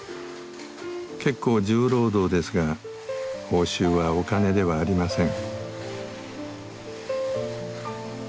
結構重労働ですが報酬はお金ではありません。